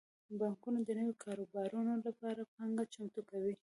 بانکونه د نویو کاروبارونو لپاره پانګه چمتو کوي.